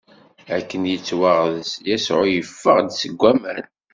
Akken yettwaɣḍeṣ, Yasuɛ iffeɣ-d seg waman.